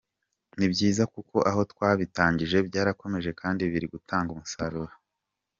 Ni byiza kuko aho twabitangije byarakomeje kandi biri gutanga umusaruro.